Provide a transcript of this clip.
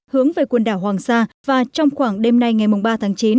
hướng về quần đảo hoàng sa và trong khoảng đêm nay ngày ba tháng chín